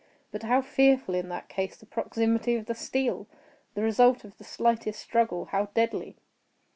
But how fearful, in that case, the proximity of the steel! The result of the slightest struggle how deadly!